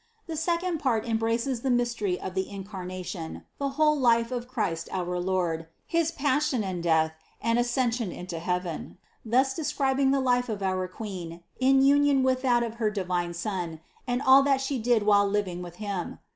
The second part embraces the mystery of the Incarnation, the whole life of Christ our Lord, his Passion and Death and his As cension into heaven, thus describing the life of our Queen in union with that of her divine Son and all that She did while living with Him.